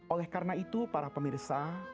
oleh karena itu para pemirsa